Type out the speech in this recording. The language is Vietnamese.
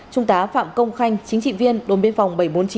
trung tá phạm công khanh chính trị viên đồn biên phòng bảy trăm bốn mươi chín